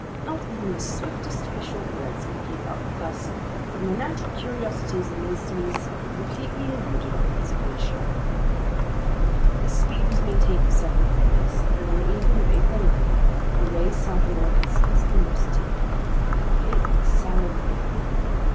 Not even the swiftest fish or birds could keep up with us, and the natural curiosities in these seas completely eluded our observation. This speed was maintained for several days, and on the evening of April 9, we raised South America's easternmost tip, Cape São Roque.